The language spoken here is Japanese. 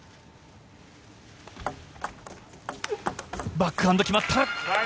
バックハンド、決まった！